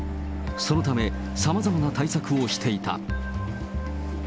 そのため、さまざまな対策をしていた。